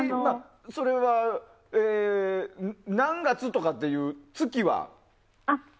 何月とかっていう、月は？